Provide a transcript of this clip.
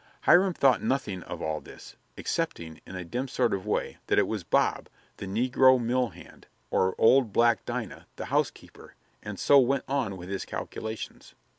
Hiram thought nothing of all this, excepting, in a dim sort of way, that it was Bob, the negro mill hand, or old black Dinah, the housekeeper, and so went on with his calculations.